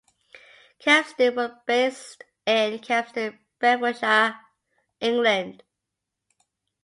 Kempston was based in Kempston, Bedfordshire, England.